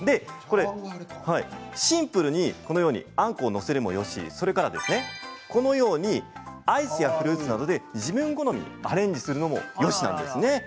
シンプルにあんこを載せるのもよしこのようにアイスやフルーツなどで自分好みにアレンジするもよしなんです。